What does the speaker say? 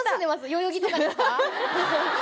代々木とかですか？